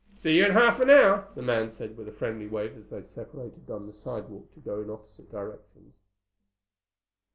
"See you in half an hour," the man said with a friendly wave as they separated on the sidewalk to go in opposite directions.